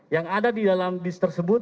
yang ada di dalam bis tersebut